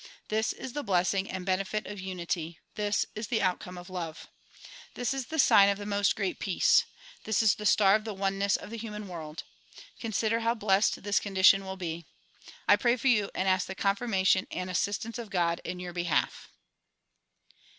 This is the blessing and benefit of unity ; this is the outcome of love. This is the sign of the '' Most Great Peace ;'' this is the star of the one ness of the human world. Consider how blessed this condition will be. I pray for you and ask the confirmation and assistance of God in your behalf.